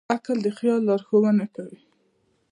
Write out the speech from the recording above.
عقل د خیال لارښوونه کوي.